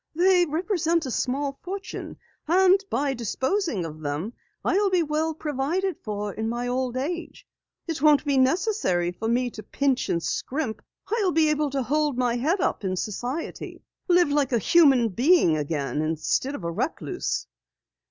"They represent a small fortune, and by disposing of them I'll be well provided for in my old age. It won't be necessary for me to pinch and skrimp. I'll be able to hold my head up in society live like a human being again instead of a recluse."